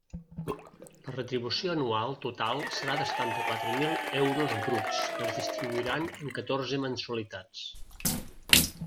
La retribució anual total serà de setanta-quatre mil euros bruts que es distribuiran en catorze mensualitats.